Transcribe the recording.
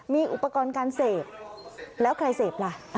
มีอุปกรณ์การเสพแล้วใครเสพล่ะ